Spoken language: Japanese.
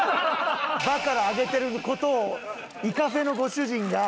バカラあげてる事をイカフェのご主人が。